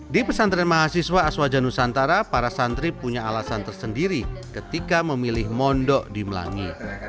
di pesantren mahasiswa aswaja nusantara para santri punya alasan tersendiri ketika memilih mondok di melangi